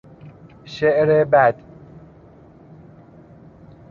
شعر بد